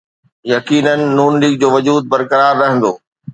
يقينن نون ليگ جو وجود برقرار رهندو.